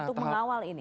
untuk mengawal ini